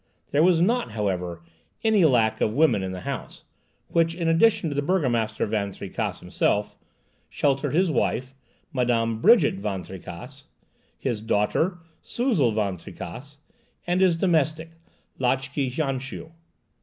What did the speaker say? There was not, however, any lack of women in the house, which, in addition to the burgomaster Van Tricasse himself, sheltered his wife, Madame Brigitte Van Tricasse, his daughter, Suzel Van Tricasse, and his domestic, Lotchè Janshéu.